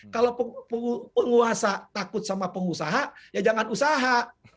kalau penguasa takut sama pengusaha ya jangan usaha